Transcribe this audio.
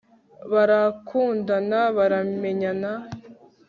barakundana baramenyana